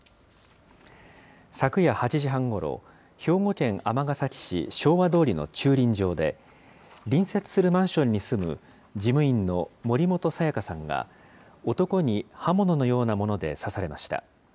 昨夜８時半ごろ、兵庫県尼崎市昭和通の駐輪場で、隣接するマンションに住む、事務員の森本彩加さんが、男に刃物のようなもので刺されました。